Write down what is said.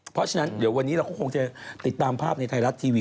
เพราะฉะนั้นเดี๋ยววันนี้เราก็คงจะติดตามภาพในไทยรัฐทีวี